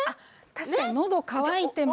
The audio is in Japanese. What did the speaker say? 確かにのど渇いてます。